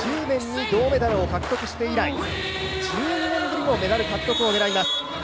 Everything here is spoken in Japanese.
２０１０年に銅メダルを獲得して以来１２年ぶりのメダル獲得を狙います。